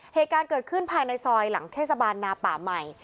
เหตุการณ์เกิดขึ้นภายในซอยหลังเทศบาลนาป่าใหม่